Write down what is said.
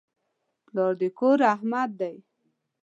پلار د کور رحمت دی.